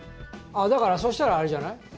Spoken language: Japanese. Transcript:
だからそしたらあれじゃない？